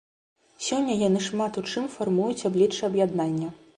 Сёння яны шмат у чым фармуюць аблічча аб'яднання.